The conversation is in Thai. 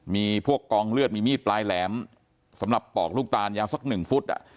มีพวกกองเลือดมีมีดปลายแหลมสำหรับปอกลูกตาลยาวสักหนึ่งฟุต